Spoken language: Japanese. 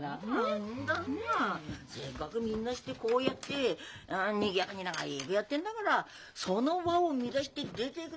せっがくみんなしてこうやってにぎやかに仲いぐやってんだがらその和を乱して出ていく